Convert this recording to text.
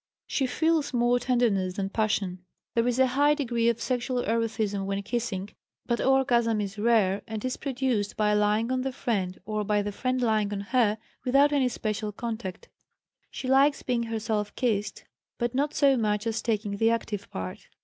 She feels more tenderness than passion. There is a high degree of sexual erethism when kissing, but orgasm is rare and is produced by lying on the friend or by the friend lying on her, without any special contact. She likes being herself kissed, but not so much as taking the active part.